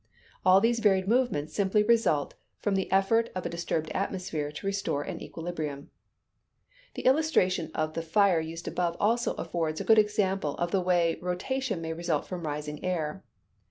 All these varied movements simply result from the effort of a disturbed atmosphere to restore an equilibrium. The illustration of the fire used above also affords a good example of the way rotation may result from rising air.